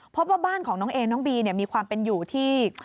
พบว่าบ้านของน้องเอน้องบีมีความเป็นอยู่ที่